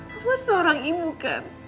kamu seorang ibu kan